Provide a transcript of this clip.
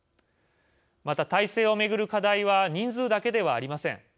また、体制を巡る課題は人数だけではありません。